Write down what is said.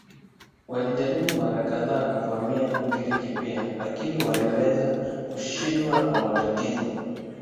Walijaribu mara kadhaa kuvamia Ugiriki pia lakini waliweza kushindwa kwa matatizo.